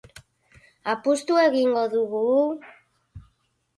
Apustu egingo dugu?